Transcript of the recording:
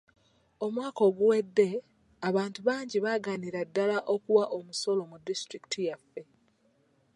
Omwaka oguwedde, abantu bangi baagaanira ddala okuwa omusolo mu disitulikiti yaffe.